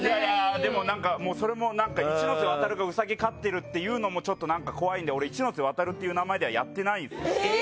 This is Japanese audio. でも、それも何か一ノ瀬ワタルがウサギ飼ってるっていうのもちょっと何か怖いので俺、一ノ瀬ワタルって名前ではやってないんですよ。